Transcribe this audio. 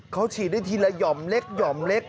เขาฉีดได้ทีละห่อมเล็กหย่อมเล็ก